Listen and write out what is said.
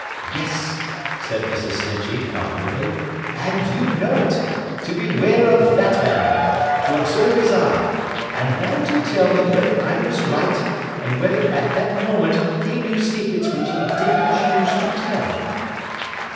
'Yes,' said Mrs. Snitchey, confidently, 'and you know it—to beware of that man—to observe his eye—and now to tell me whether I was right, and whether at that moment he knew secrets which he didn't choose to tell.